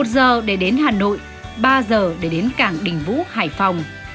một giờ để đến hà nội ba giờ để đến cảng đình vũ hải phòng